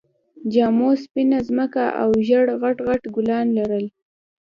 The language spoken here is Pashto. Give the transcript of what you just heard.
جامو سپينه ځمکه او ژېړ غټ غټ ګلان لرل